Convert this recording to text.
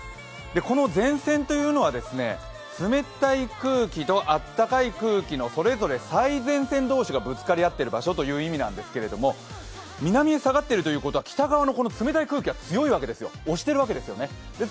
この前線というのは、冷たい空気と温かい空気のそれぞれ最前線同士がぶつかり合ってる場所という意味なんですが南へ下がっているということは北側の冷たい空気が押しているわけですよね。